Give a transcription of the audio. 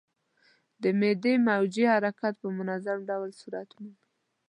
د معدې موجې حرکات په منظم ډول صورت مومي.